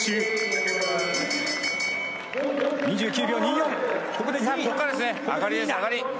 ２９秒２４。